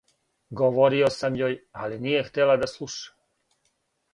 Говорио сам јој, али није хтела да слуша.